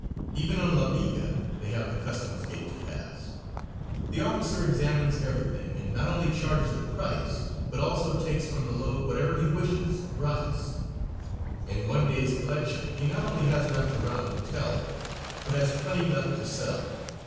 Even on La Viga they have the customs gate to pass. The officer examines everything, and not only charges the price, but always takes from the load whatever he wishes gratis. In one day's collection he not only has enough to run a hotel but has plenty left to sell.